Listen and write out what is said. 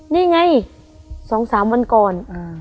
นี่ไง๒๓วันก่อน